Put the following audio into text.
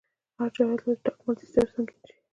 هر جاهل ته دټګمار دستار سنګين شي